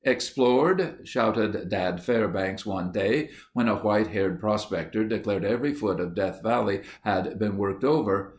"Explored?" shouted Dad Fairbanks one day when a white haired prospector declared every foot of Death Valley had been worked over.